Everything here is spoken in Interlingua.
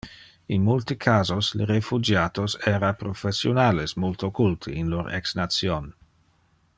In multe casos, le refugiatos era professionales multo culte in lor ex nation.